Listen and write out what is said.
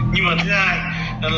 nhưng mà thứ hai